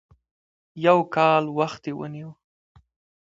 يو کال وخت یې ونیو.